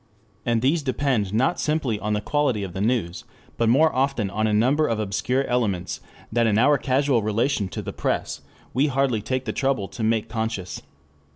And these depend not simply on the quality of the news, but more often on a number of obscure elements that in our casual relation to the press, we hardly take the trouble to make conscious.